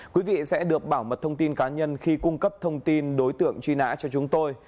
quý vị sẽ được bảo mật thông tin cá nhân khi cung cấp thông tin đối tượng truy nã cho chúng tôi